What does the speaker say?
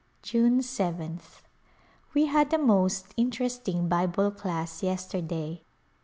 yune yth. We had a most interesting Bible class yesterday.